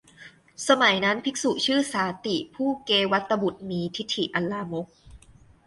สมัยนั้น ภิกษุชื่อสาติ ผู้เกวัฏฏบุตรมีทิฏฐิอันลามก